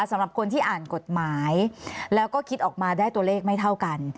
สำหรับคนที่อ่านกฎหมายแล้วก็คิดออกมาได้ตัวเลขไม่เท่ากัน